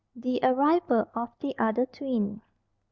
THE ARRIVAL OF THE OTHER TWIN.